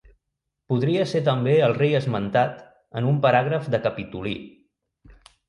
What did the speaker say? Podria ser també el rei esmentat en un paràgraf de Capitolí.